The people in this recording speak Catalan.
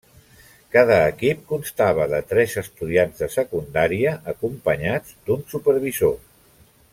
Cada equip constava de tres estudiants de secundària acompanyats d'un supervisor.